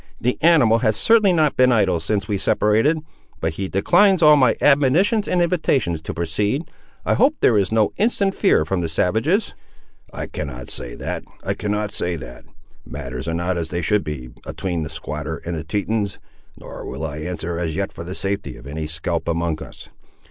"The animal has certainly not been idle since we separated, but he declines all my admonitions and invitations to proceed. I hope there is no instant fear from the savages?" "I cannot say that; I cannot say that; matters are not as they should be, atween the squatter and the Tetons, nor will I answer as yet for the safety of any scalp among us.